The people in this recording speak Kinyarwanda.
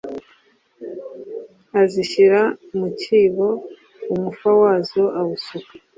azishyira mu cyibo umufa wazo awusuka